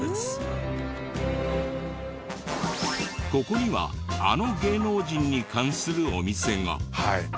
ここにはあの芸能人に関するお店が。